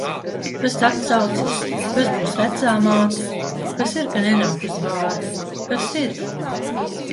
Kas atsaucas? Kas būs vecāmāte? Kas ir, ka nenāk uz vārda? Kas ir?